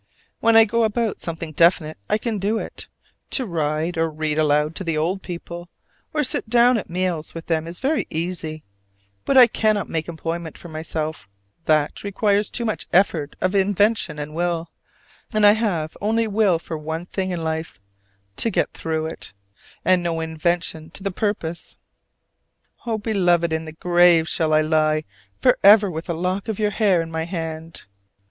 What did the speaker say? When I go about something definite, I can do it: to ride, or read aloud to the old people, or sit down at meals with them is very easy; but I cannot make employment for myself that requires too much effort of invention and will: and I have only will for one thing in life to get through it: and no invention to the purpose. Oh, Beloved, in the grave I shall lie forever with a lock of your hair in my hand.